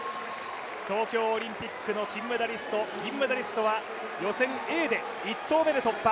東京オリンピックの金メダリスト、銀メダリストは予選Ａで１投目で突破。